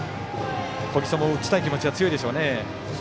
小木曽も打ちたい気持ちは強いでしょうね。